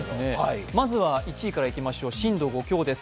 まずは１位からいきましょう、震度５強です。